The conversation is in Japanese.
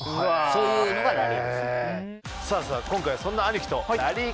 そういうのがラリーですね。